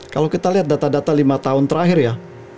kalau kita lihat data data lima tahun terakhir ya